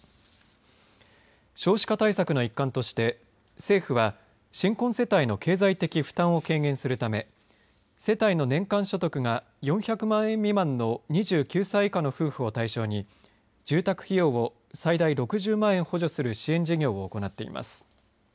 少子化対策の一環として政府は新婚世帯の経済的負担を軽減するため世帯の年間所得が４００万円未満の２９歳以下の夫婦を対象に住宅費用を最大６０万円補助する支援事業を行っています。